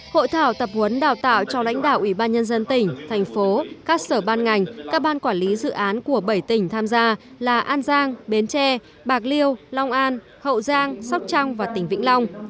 hội thảo tập huấn đào tạo cho lãnh đạo ủy ban nhân dân tỉnh thành phố các sở ban ngành các ban quản lý dự án của bảy tỉnh tham gia là an giang bến tre bạc liêu long an hậu giang sóc trăng và tỉnh vĩnh long